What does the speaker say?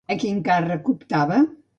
A quin càrrec optava?